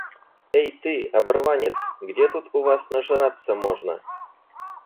Эй ты, оборванец! Где тут у вас нажраться можно?